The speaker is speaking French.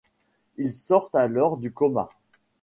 Ils sortent alors du coma.